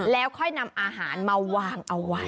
แล้วค่อยนำอาหารมาวางเอาไว้